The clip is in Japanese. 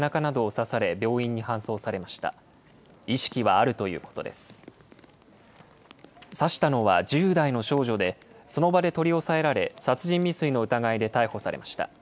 刺したのは１０代の少女で、その場で取り押さえられ、殺人未遂の疑いで逮捕されました。